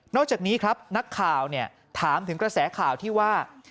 อกจากนี้ครับนักข่าวถามถึงกระแสข่าวที่ว่า